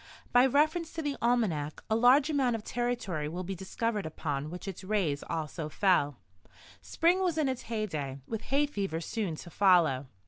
By reference to the almanac a large amount of territory will be discovered upon which its rays also fell. Spring was in its heydey, with hay fever soon to follow.